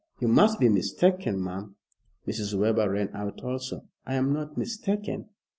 "You must be mistaken, ma'am." Mrs. Webber ran out also. "I am not mistaken.